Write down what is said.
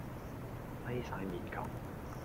西哂面咁